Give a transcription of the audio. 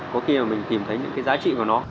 có khi mà mình tìm thấy những cái giá trị của nó